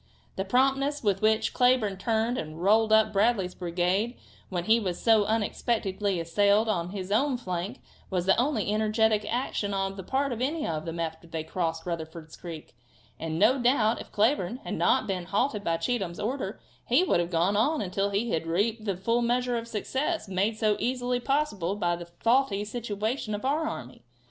The promptness with which Cleburne turned and rolled up Bradley's brigade when he was so unexpectedly assailed on his own flank, was the only energetic action on the part of any of them after they had crossed Rutherford's creek; and, no doubt, if Cleburne had not been halted by Cheatham's order, he would have gone on until he had reaped the full measure of success made so easily possible by the faulty situation of our army.